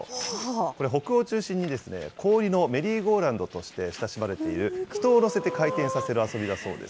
これ、北欧を中心に氷のメリーゴーラウンドとして親しまれている、人を乗せて回転させる遊びだそうです。